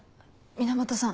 源さん